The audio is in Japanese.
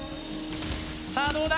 さあどうだ？